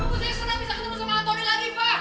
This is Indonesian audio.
aku sering bisa ketemu sama anthony lagi fah